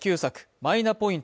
マイナポイント